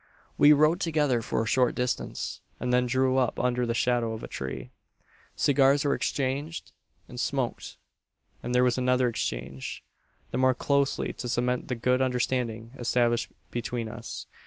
"We rode together for a short distance; and then drew up under the shadow of a tree. "Cigars were exchanged, and smoked; and there was another exchange the more closely to cement the good understanding established between us.